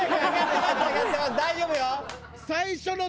大丈夫よ。